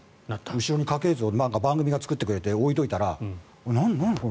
後ろに家系図を番組が作ってくれて置いておいたら何これ？